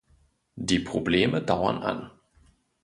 Die Probleme dauern an.